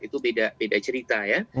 itu beda cerita ya